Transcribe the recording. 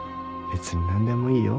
別に何でもいいよ